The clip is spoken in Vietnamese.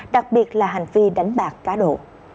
đặc biệt là hành vi đánh bạc cá độ